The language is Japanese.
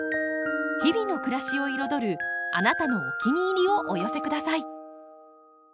日々の暮らしを彩るあなたのお気に入りをお寄せください。